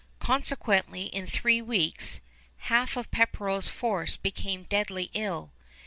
Consequently, in three weeks, half Pepperrell's force became deadly ill.